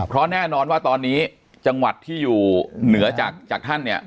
เพราะแน่นอนว่าตอนนี้จังหวัดที่อยู่เหนือจากท่านเนี่ย